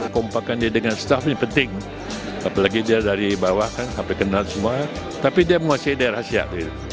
kompakan dia dengan staffnya penting apalagi dia dari bawah sampai kenal semua tapi dia menguasai daerah siak